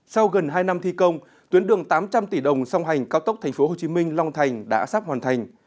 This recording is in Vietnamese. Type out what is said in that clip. sau gần hai năm thi công tuyến đường tám trăm linh tỷ đồng song hành cao tốc tp hcm long thành đã sắp hoàn thành